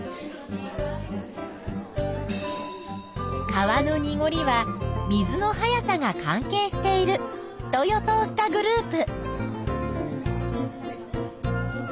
川のにごりは水の速さが関係していると予想したグループ。